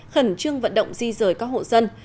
khẩn trương vận động di rời các hộ dân